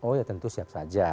oh ya tentu siap saja